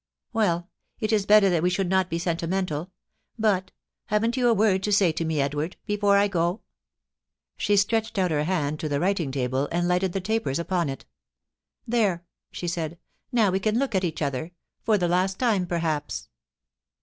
Well ; it is better that we should not be sentimental — but, haven't you a word to say to me, Edward, before I go ?' She stretched out her hand to the writing table, and lighted the tapers upon it * There,' she said ;* now we can look at each other — for the last time, perhaps.'